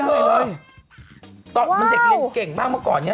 แต่ตอนเด็กเล่นแกร่งบ้างเมื่อก่อน